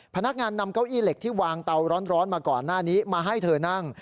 พนักงานนำเก้าอี้เหล็กที่วางเตาร้อนมาก่อนหน้านี้มาให้เธอนั่ง